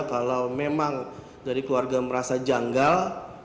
kalau memang dari keluarga merasa janggal